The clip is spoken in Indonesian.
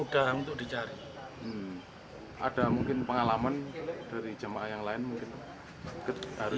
dari jemaah yang lain mungkin